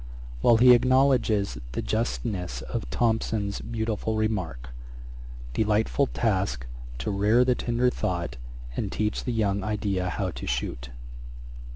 ] While we acknowledge the justness of Thomson's beautiful remark, 'Delightful task! to rear the tender thought, And teach the young idea how to shoot!'